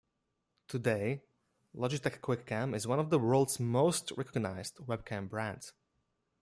Today, Logitech QuickCam is one of the world's most recognized webcam brands.